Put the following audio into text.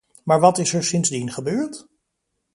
Maar wat is er sindsdien gebeurd?